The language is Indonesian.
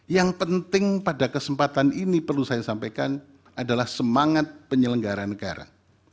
yang penting pada kesempatan ini perlu saya sampaikan adalah semangat penyelenggara negara